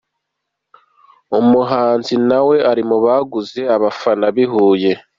Umuhanzi nawe ari mu baguze abafana b’i Huye.